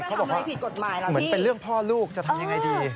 เขาบอกว่าเหมือนเป็นเรื่องพ่อลูกจะทำยังไงดี